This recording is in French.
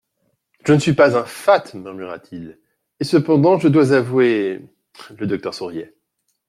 Je ne suis pas un fat, murmura-t-il, et cependant je dois avouer … Le docteur souriait.